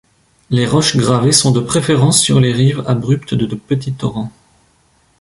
Les roches gravées sont de préférence sur les rives abruptes de petits torrents.